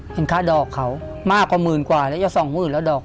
ค่าดอกเขามากกว่าหมื่นกว่าแล้วจะสองหมื่นแล้วดอก